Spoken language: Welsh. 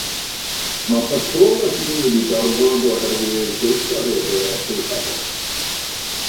Mae patrôl y ffin wedi darfod oherwydd gweithgareddau eithafol.